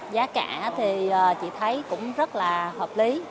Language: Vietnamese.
giá cả thì chị thấy cũng rất là hợp lý